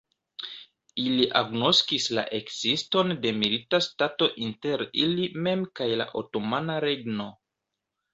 Ili agnoskis la ekziston de milita stato inter ili mem kaj la Otomana Regno.